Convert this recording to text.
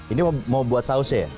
ini mau buat sausnya ya